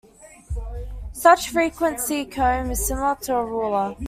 Such a frequency comb is similar to a ruler.